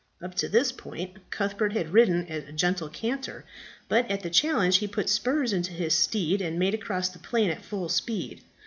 Up to this point Cuthbert had ridden at a gentle canter; but at the challenge he put spurs into his steed and made across the plain at full speed.